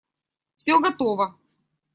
Все готово.